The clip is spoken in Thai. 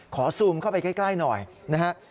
ขอซูมเข้าไปใกล้หน่อยนะครับ